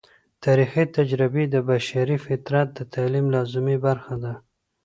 تاریخي تجربې د بشري فطرت د تعلیم لازمي برخه ده.